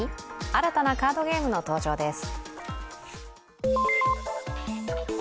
新たなカードゲームの登場です。